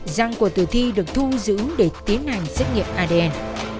răng của tử thi được thu giữ để tiến hành xét nghiệm adn